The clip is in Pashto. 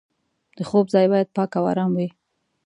د خوب ځای باید پاک او ارام وي.